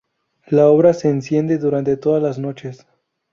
La obra se enciende durante todas las noches.